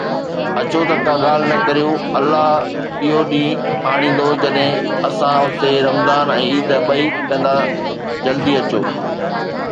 اچو ته ڪا ڳالهه نه ڪريو، الله اهو ڏينهن آڻيندو جڏهن اسان اتي رمضان ۽ عيد ٻئي ڪندا، جلدي اچو